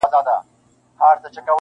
مړی نه وو یوه لویه هنګامه وه -